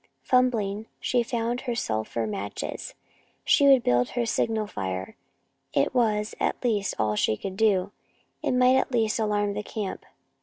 Fumbling, she found her sulphur matches. She would build her signal fire. It was, at least, all that she could do. It might at least alarm the camp.